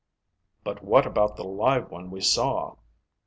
"But what about the live one we saw?"